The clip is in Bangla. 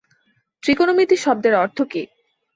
ত্রিকোণমিতি শব্দের অর্থ কী?